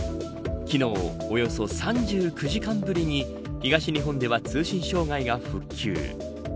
昨日、およそ３９時間ぶりに東日本では通信障害が復旧。